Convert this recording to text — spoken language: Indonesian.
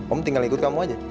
om tinggal ikut kamu aja